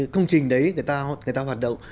công trình đấy người ta hoạt động